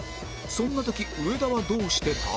そんな時上田はどうしてた？